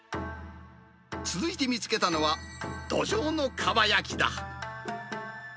続いて見つけたのは、どじょうのかば焼きだ。